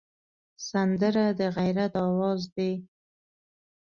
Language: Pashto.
سندره د غیرت آواز دی